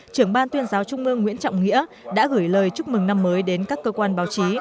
trưởng ban tuyên giáo trung ương nguyễn trọng nghĩa đã gửi lời chúc mừng năm mới đến các cơ quan báo chí